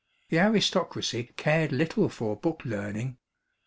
The aristocracy cared little for book learning.